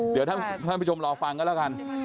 เดี๋ยวท่านผู้ชมรอฟังกันแล้วกัน